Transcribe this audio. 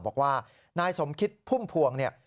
บอกว่านายสมคิดพุ่มพวง